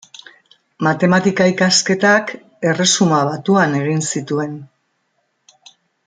Matematika ikasketak Erresuma batuan egin zituen.